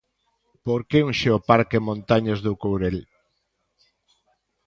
Por que un Xeoparque Montañas do Courel?